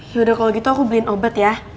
yaudah kalau gitu aku beliin obat ya